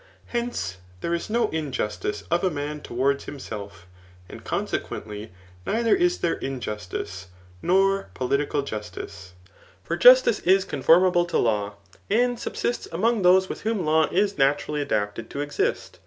Hence, there is no injustice of a man towards himself; and consequently neither is there injustice, nor political jusdce. For justice is conformable to law, and subsists among those with whom law is naturally adapted to exist.